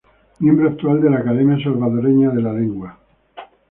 Miembro actual de la Academia Salvadoreña de la Lengua.